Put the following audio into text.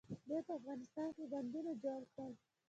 دوی په افغانستان کې بندونه جوړ کړل.